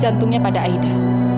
jantungnya pada aida